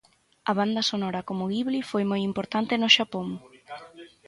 A banda sonora como Ghibli foi moi importante no Xapón.